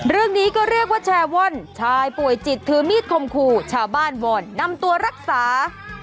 เรื่องนี้ก็เรียกว่าแชร์ว่อนชายป่วยจิตถือมีดคมคู่ชาวบ้านวอนนำตัวรักษา